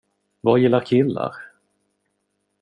Vad gillar killar?